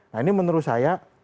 nah ini menurut saya